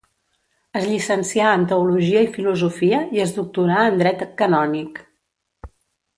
Es llicencià en teologia i filosofia i es doctorà en dret canònic.